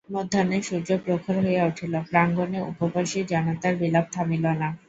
মধ্যাহ্নের সূর্য প্রখর হইয়া উঠিল, প্রাঙ্গণে উপবাসী জনতার বিলাপ থামিল না।